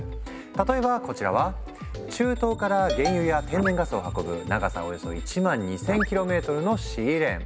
例えばこちらは中東から原油や天然ガスを運ぶ長さおよそ１万２，０００ｋｍのシーレーン。